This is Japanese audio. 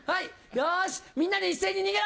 よしみんなで一斉に逃げろ！